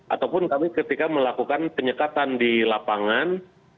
ataupun kami ketika melakukan penyekatan di lapangan